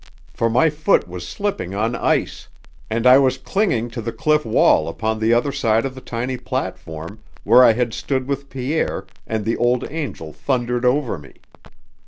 For my foot was slipping on ice and I was clinging to the cliff wall upon the other side of the tiny platform, where I had stood with Pierre, and the Old Angel thundered over me.